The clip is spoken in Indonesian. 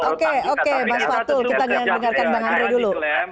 oke oke mas fatul kita dengarkan bang andre dulu